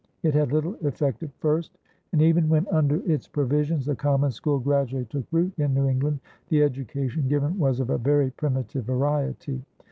It had little effect at first, and even when under its provisions the common school gradually took root in New England, the education given was of a very primitive variety.